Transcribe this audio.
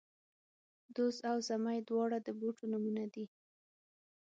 دوز او زمۍ، دواړه د بوټو نومونه دي